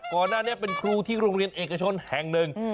ก่อนหน้านี้เป็นครูที่โรงเรียนเอกชนแห่งหนึ่ง